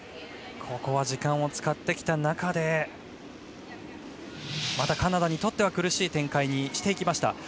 ここは時間を使ってきた中またカナダにとっては苦しい展開にしていきました。